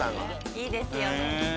いいですよね。